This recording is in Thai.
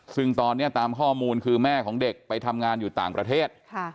ซึ่งตอนนี้ตามข้อมูลคือแม่ของเด็กไปทำงานอยู่ต่างประเทศ